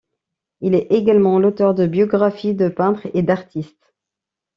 Il est également l'auteur de biographies de peintres et d'artistes.